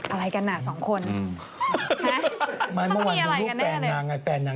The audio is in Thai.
อะไรกันหน่ะสองคน